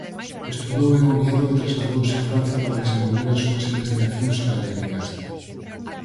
Estudou en Oviedo e trasladouse a Francia para desenvolver as súas investigacións académicas.